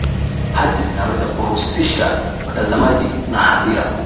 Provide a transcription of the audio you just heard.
hati inaweza kuwahusisha watazamaji na hadhira